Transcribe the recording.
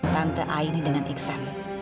tante aini dengan iksan